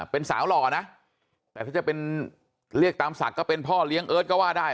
เป็นสาวหล่อนะแต่ถ้าจะเป็นเรียกตามศักดิ์ก็เป็นพ่อเลี้ยงเอิร์ทก็ว่าได้